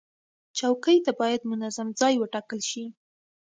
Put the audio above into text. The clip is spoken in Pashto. چوکۍ ته باید منظم ځای وټاکل شي.